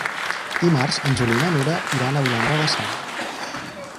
Dimarts en Juli i na Nura iran a Vilanova de Sau.